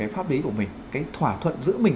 pháp lý của mình thỏa thuận giữa mình